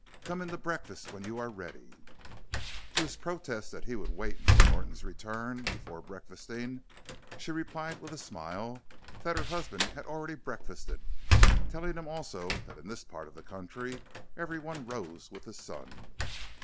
Come in to breakfast when you are ready." To his protest that he would wait until Norton's return before breakfasting she replied with a smile that her husband had already breakfasted, telling him also that in this part of the country everyone rose with the sun.